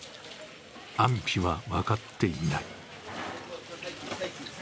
安否は分かっていない。